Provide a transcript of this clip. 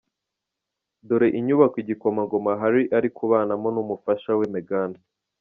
Dore inyubako Igikomangoma Harry ari kubana mo n’umufasha we Meghan .